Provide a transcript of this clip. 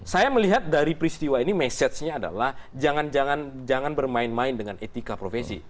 saya melihat dari peristiwa ini message nya adalah jangan bermain main dengan etika profesi